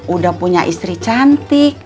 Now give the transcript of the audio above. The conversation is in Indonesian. udah punya istri cantik